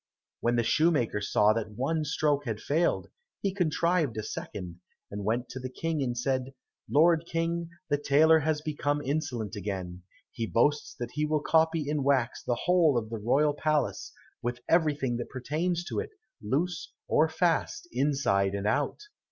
When the shoemaker saw that one stroke had failed, he contrived a second, and went to the King and said, "Lord King, the tailor has become insolent again; he boasts that he will copy in wax the whole of the royal palace, with everything that pertains to it, loose or fast, inside and out."